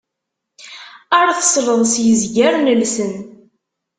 Ar tesleḍ s yizgaren llsen.